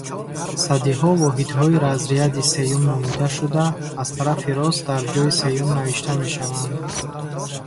Садиҳо воҳидҳои разряди сеюм номида шуда, аз тарафи рост дар ҷойи сеюм навишта мешаванд.